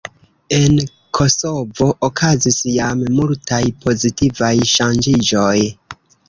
En Kosovo okazis jam multaj pozitivaj ŝanĝiĝoj.